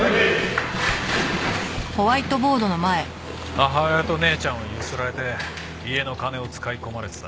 母親と姉ちゃんをゆすられて家の金を使い込まれてた。